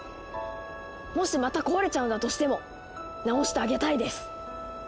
もしまた壊れちゃうんだとしてもなおしてあげたいです！